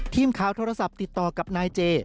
ทีมข่าวโทรศัพท์ติดต่อกับนายเจ